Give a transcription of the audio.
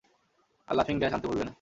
আর লাফিং গ্যাস আনতে ভুলবে না।